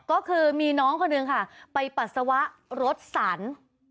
ก็คือมีน้องคนหนึ่งค่ะไปปัสสาวะรถสัน